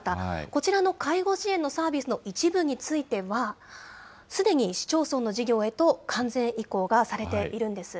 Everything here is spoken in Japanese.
こちらの介護支援のサービスの一部については、すでに市町村の事業へと完全移行がされているんです。